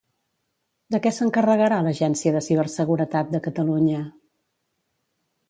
De què s'encarregarà l'Agència de Ciberseguretat de Catalunya?